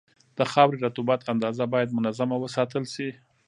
د خاورې رطوبت اندازه باید منظمه وساتل شي.